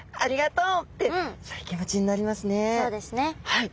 はい。